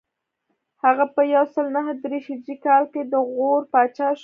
هغه په یو سل نهه دېرش هجري کال کې د غور پاچا شو